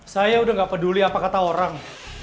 saya udah gak peduli apa kata orang